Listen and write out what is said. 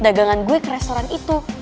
dagangan gue ke restoran itu